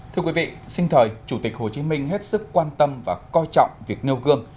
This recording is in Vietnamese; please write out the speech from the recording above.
thưa quý vị sinh thời chủ tịch hồ chí minh hết sức quan tâm và coi trọng việc nêu gương